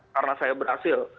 karena saya berhasil